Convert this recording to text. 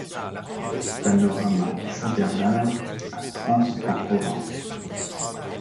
Panorama Saint-Bernard à Trans-en-Provence